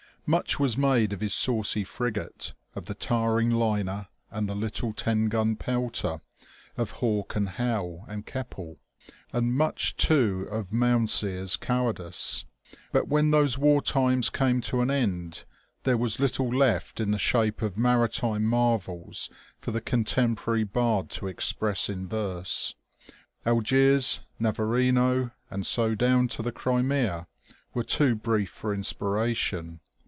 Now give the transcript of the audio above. Much was made of his saucy frigate, of the towering liner and the little ten gun "pelter, of Hawke and Howe and Keppel; and much too of Mounseer's cowardice. But when those war times came to an end there was little left in the shape of maritime marvels for the contemporary bard to express in verse. Algiers, Navarino, and so down to the Crimea, were too brief for inspiration.